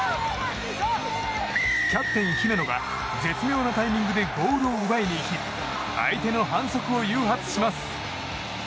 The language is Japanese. キャプテン姫野が絶妙なタイミングでボールを奪いに行き相手の反則を誘発します。